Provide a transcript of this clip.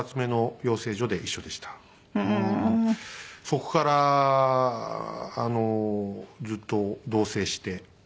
そこからあのずっと同棲して。